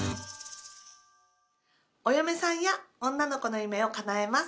お嫁さんや女の子の夢を叶えます。